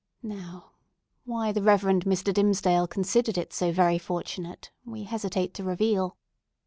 Now, why the Reverend Mr. Dimmesdale considered it so very fortunate we hesitate to reveal.